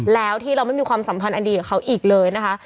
แล้วที่ตถวันไม่มีสัมพันธ์ดีทำอีกเลยนะคะ